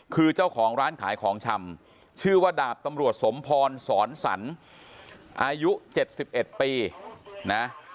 คือเจ้าของร้านขายของชำชื่อว่าดาบตำรวจสมพรสอนสรรอายุ๗๑ปีนะ